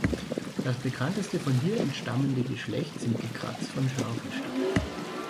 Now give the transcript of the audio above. Das bekannteste von hier entstammende Geschlecht sind die Kratz von Scharfenstein.